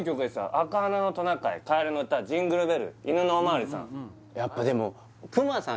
「赤鼻のトナカイ」「かえるのうた」「ジングル・ベル」「犬のおまわりさん」